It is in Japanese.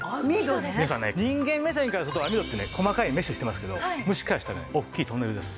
皆さんね人間目線からすると網戸ってね細かいメッシュしてますけど虫からしたらね大きいトンネルです。